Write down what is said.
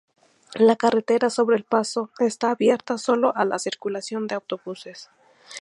La carretera sobre el paso está abierta sólo a la circulación de autobuses.